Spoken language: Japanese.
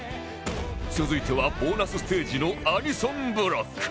続いてはボーナスステージのアニソンブロック